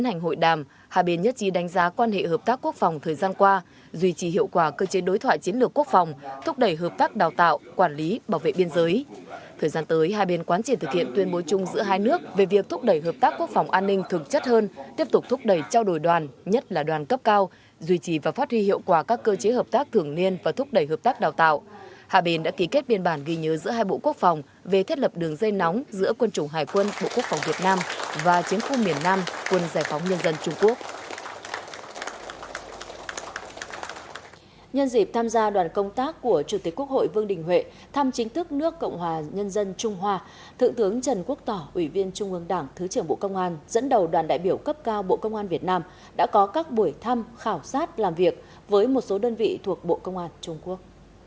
nhân dịp tham gia đoàn công tác của chủ tịch quốc hội vương đình huệ thăm chính thức nước cộng hòa nhân dân trung hoa thượng tướng trần quốc tỏ ủy viên trung ương đảng thứ trưởng bộ công an dẫn đầu đoàn đại biểu cấp cao bộ công an việt nam đã có các buổi thăm khảo sát làm việc với một số đơn vị thuộc bộ công an trung quốc